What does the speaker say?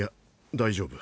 大丈夫。